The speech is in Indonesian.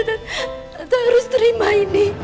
tante harus terima ini